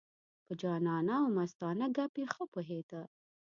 په جانانه او مستانه ګپې ښه پوهېده.